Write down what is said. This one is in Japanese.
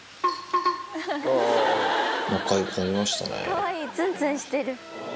かわいいツンツンしてる。